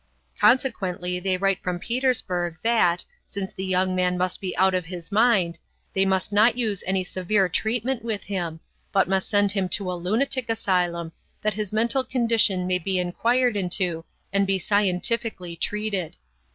Consequently they write from Petersburg that, since the young man must be out of his mind, they must not use any severe treatment with him, but must send him to a lunatic asylum, that his mental condition may be inquired into and be scientifically treated.